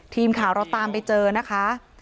ทีมข่าวเราตามไปเจอนะคะ